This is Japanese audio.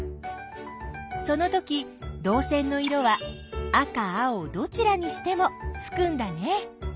そのときどう線の色は赤青どちらにしてもつくんだね。